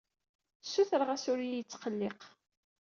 Ssutreɣ-as ur iyi-yettqelliq.